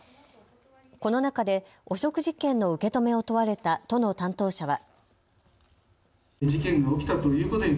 この中で汚職事件の受け止めを問われた都の担当者は。